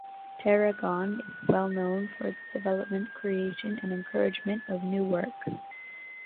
Tarragon is well known for its development, creation and encouragement of new work.